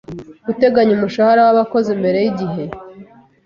guteganya umushahara w’abakozi mbere y’igihe